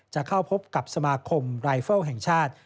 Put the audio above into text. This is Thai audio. จะเข้าพบกับสมาคมรายเฟิลแห่งชาติ